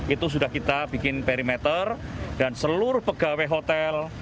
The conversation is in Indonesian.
itu sudah kita bikin perimeter dan seluruh pegawai hotel